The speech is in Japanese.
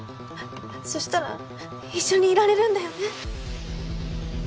そしたら一緒にいられるんだよね？